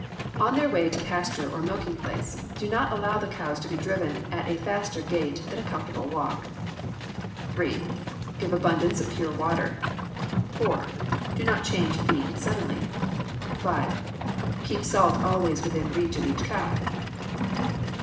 On their way to pasture or milking place, do not allow the cows to be driven at a faster gait than a comfortable walk. 3. Give abundance of pure water. 4. Do not change feed suddenly. 5. Keep salt always within reach of each cow.